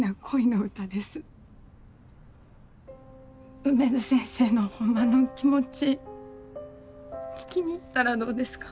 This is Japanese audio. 梅津先生のホンマの気持ち聞きに行ったらどうですか？